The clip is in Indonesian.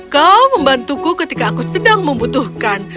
kau membantuku ketika aku sedang membutuhkan